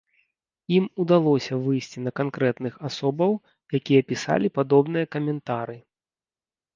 Ім удалося выйсці на канкрэтных асобаў, якія пісалі падобныя каментары.